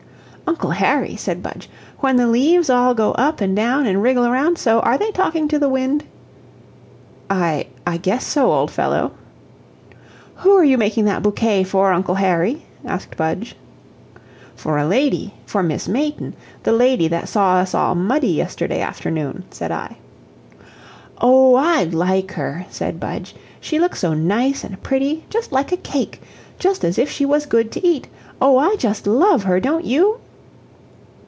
"Uncle Harry," said Budge, "when the leaves all go up and down and wriggle around so, are they talking to the wind?" "I I guess so, old fellow." "Who are you making that bouquet for, Uncle Harry?" asked Budge. "For a lady for Miss Mayton that lady that saw us all muddy yesterday afternoon," said I. "Oh, I like her," said Budge. "She looks so nice and pretty just like a cake just as if she was good to eat Oh, I just love her, don't YOU?"